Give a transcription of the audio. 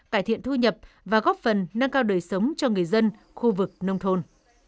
cải thiện thu nhập và góp phần nâng cao đời sống cho người dân khu vực nông thôn